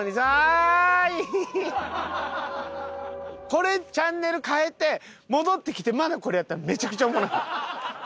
これチャンネル変えて戻ってきてまだこれやったらめちゃくちゃおもろい。